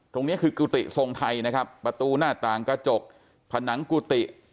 ตรงนี้คือกุฏิทรงไทยนะครับประตูหน้าต่างกระจกผนังกุฏิ